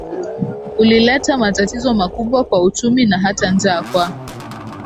ulileta matatizo makubwa kwa uchumi na hata njaa kwa